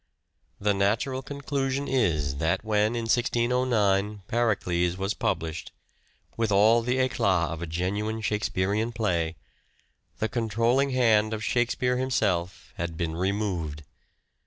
The natural conclusion is that when in 1609 " Pericles " was published, with all the e"clat of a genuine Shakespearean play, the controlling hand of " Shakespeare " himself had been removed.